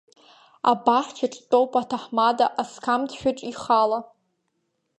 Абаҳчаҿ дтәоуп аҭаҳмада, асқам ҭшәаҿы ихала…